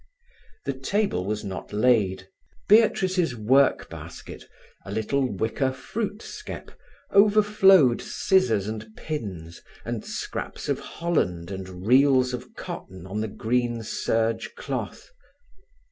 The table was not laid. Beatrice's work basket, a little wicker fruit skep, overflowed scissors, and pins, and scraps of holland, and reels of cotton on the green serge cloth.